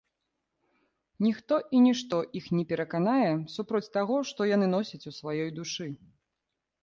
Ніхто і нішто іх не пераканае супроць таго, што яны носяць у сваёй душы.